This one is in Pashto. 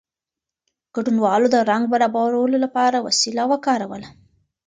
ګډونوالو د رنګ برابرولو لپاره وسیله وکاروله.